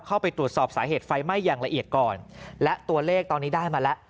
เข้าไปตรวจสอบสาเหตุไฟไหม้อย่างละเอียดก่อนและตัวเลขตอนนี้ได้มาแล้ว